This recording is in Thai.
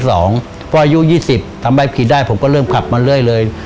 พออายุ๒๐ทำบ่ายปีได้ผมก็เริ่มขับมาเรื่อย